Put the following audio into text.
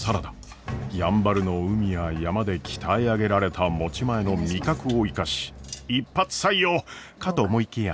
やんばるの海や山で鍛え上げられた持ち前の味覚を生かし一発採用！かと思いきや。